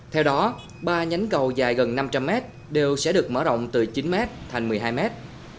theo đó ba nhánh cầu dài gần năm trăm linh mét đều sẽ được mở rộng từ chín mét thành một mươi hai mét